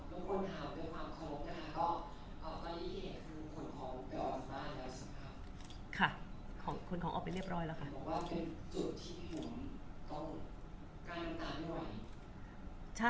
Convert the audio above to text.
คุณผู้ถามเป็นความขอบคุณค่ะคุณผู้ถามเป็นความขอบคุณค่ะ